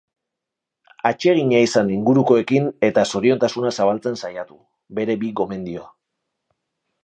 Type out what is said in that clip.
Atsegina izan ingurukoekin eta zoriontasuna zabaltzen saiatu, bere bi gomendio.